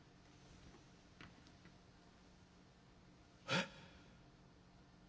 「えっ？